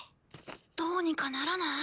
どうにかならない？